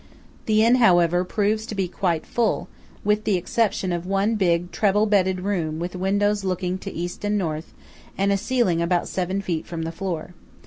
The inn, however, proves to be quite full, with the exception of one big, treble bedded room with windows looking to east and north, and a ceiling about seven feet from the floor.